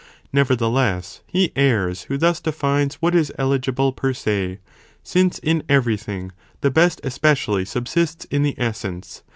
nevertheless, he errs, who thus defines what is eligible per se, since in every thing, the best especially subsists in the essence